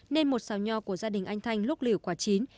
nên một xào nho của gia đình anh thanh lúc liều quả chín